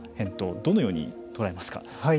どのように捉えますか。